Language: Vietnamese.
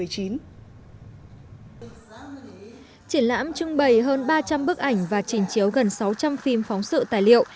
triển lãm trưng bày hơn ba trăm linh bức ảnh và trình chiếu gần sáu trăm linh phim phóng sự tài liệu